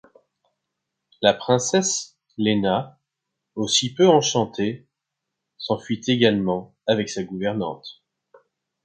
La princesse, Léna, aussi peu enchantée, s'enfuit également avec sa gouvernante.